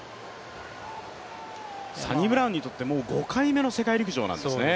サニブラウンにとって、もう５回目の世界陸上なんですね。